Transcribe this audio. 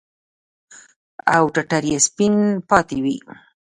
او ټټر يې سپين پاته وي.